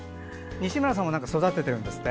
西村さんも何か育てているんですって。